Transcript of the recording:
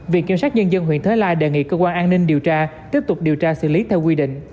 viện kiểm sát nhân dân huyện thới lai đề nghị cơ quan an ninh điều tra tiếp tục điều tra xử lý theo quy định